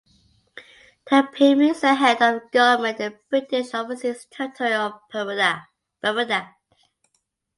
The Premier is the head of government in the British Overseas Territory of Bermuda.